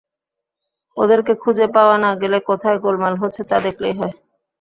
ওদেরকে খুঁজে পাওয়া না গেলে কোথায় গোলমাল হচ্ছে, তা দেখলেই হয়।